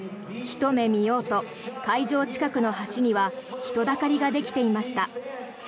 ひと目見ようと会場近くの橋には人だかりができていました。